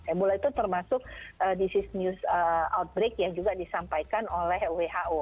embula itu termasuk disease news outbreak yang juga disampaikan oleh who